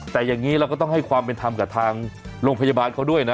แต่อย่างนี้เราก็ต้องให้ความเป็นธรรมกับทางโรงพยาบาลเขาด้วยนะ